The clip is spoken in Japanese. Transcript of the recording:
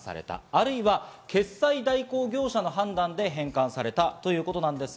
あるいは決済代行業者の判断で返還されたということです。